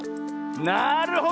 なるほど！